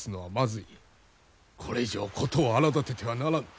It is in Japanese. これ以上事を荒だててはならぬ。